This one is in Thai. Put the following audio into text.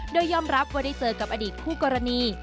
โดยยอมรับว่าได้เจอกับอดีตคู่กรณี